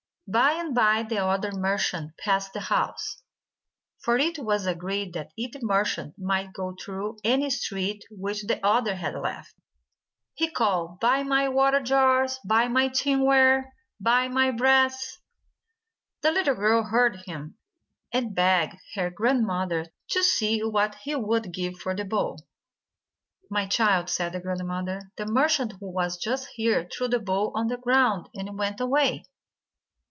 By and by the other merchant passed the house. For it was agreed that either merchant might go through any street which the other had left. He called: "Buy my water jars! Buy my tinware! Buy my brass !" The little girl heard him, and begged her grand mother to see what he would give for the bowl. "My child," said the grandmother, "the merchant who was just here threw the bowl on the ground and went away.